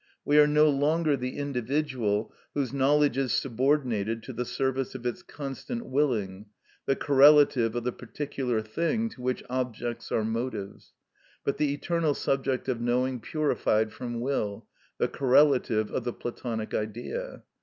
We are no longer the individual whose knowledge is subordinated to the service of its constant willing, the correlative of the particular thing to which objects are motives, but the eternal subject of knowing purified from will, the correlative of the Platonic Idea.